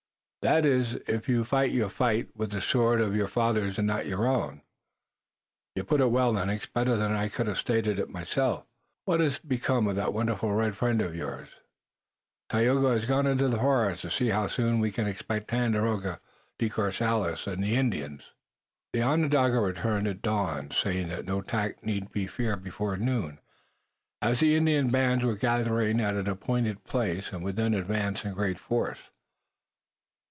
"That is, if you fight you fight with the sword of your fathers and not your own." "You put it well, Lennox, better than I could have stated it myself. What has become of that wonderful red friend of yours?" "Tayoga? He has gone into the forest to see how soon we can expect Tandakora, De Courcelles and the Indian host." The Onondaga returned at dawn, saying that no attack need be feared before noon, as the Indian bands were gathering at an appointed place, and would then advance in great force.